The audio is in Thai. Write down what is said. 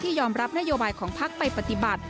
ยอมรับนโยบายของพักไปปฏิบัติ